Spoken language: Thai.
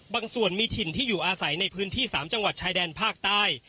บางส่วนมีถิ่นที่อยู่อาศัยในพื้นที่๓จังหวัดชายแดนภาคใต้